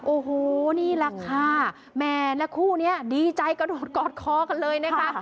โอ้โหนี่แหละค่ะแม่และคู่นี้ดีใจกระโดดกอดคอกันเลยนะคะ